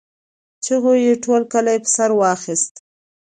چيغو يې ټول کلی په سر واخيست.